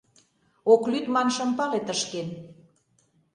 Ок лӱд ман шым пале тышкен.